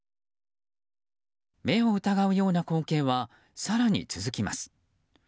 目を疑うような光景は更に続きます。